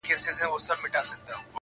o بې نصيبه خواړه گران دي!